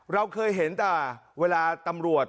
เราเคยเห็นแต่เวลาตำรวจ